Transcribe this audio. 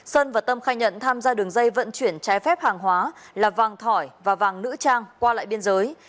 sơn và tâm khai nhận tham gia đường dây vận chuyển trái phép hàng hóa là vàng thỏi và vàng nữ trang qua lại biên giới